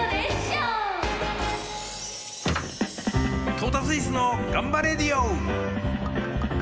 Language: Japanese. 「トータスイスのがんばレディオ！」。